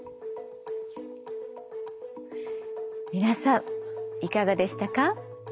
皆さんいかがでしたか？